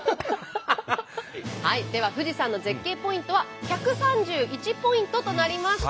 では富士山の絶景ポイントは１３１ポイントとなりました。